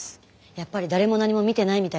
やっぱり誰も何も見てないみたいです。